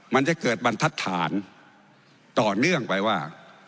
มันจะเกิดบรรทัศนต่อเนื่องไปว่า